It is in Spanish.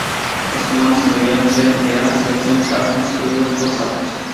Los comandos que deberían ser B, A, Select, Start, son sustituidos por saltos.